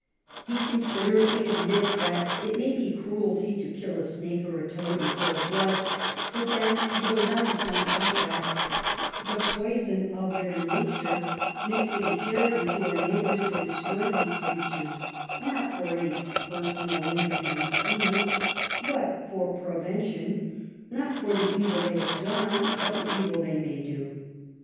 He considerately admits that it may be cruelty to kill a snake or a toad in cold blood, but then he goes on to point out that '^ the poison of their nature makes it a charity to our neighbors to destroy these creatures — not for any personal injury received, but for prevention ; not for the evil they have done, but the evil they may do."